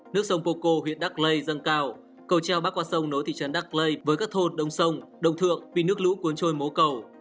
nước sông poco huyện đắc lê dâng cao cầu treo bắt qua sông nối thị trấn đắc lê với các thôn đông sông đông thượng vì nước lũ cuốn trôi mố cầu